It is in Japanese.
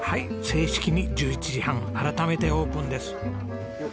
正式に１１時半改めてオープンです。